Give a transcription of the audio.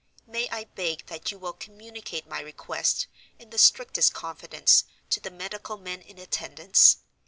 May I beg that you will communicate my request, in the strictest confidence, to the medical men in attendance?